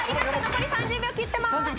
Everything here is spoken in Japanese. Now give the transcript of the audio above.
残り３０秒切ってます。